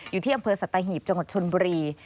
อยู่ที่อำเภอสัตหีบจังหวัดชนบุรี